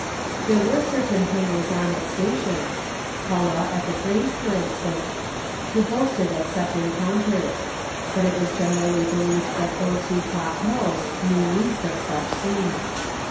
There were certain hangers on at stations (Tulloh at the Grange, for instance) who boasted of such encounters ; but it was generally believed that those who talked most knew least of such scenes.